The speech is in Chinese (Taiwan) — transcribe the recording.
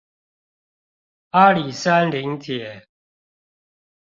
阿里山林鐵